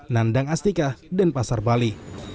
nandang astika dan pasar bali